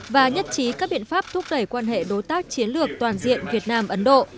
và nhất trí các biện pháp thúc đẩy quan hệ đối tác chiến lược toàn diện việt nam ấn độ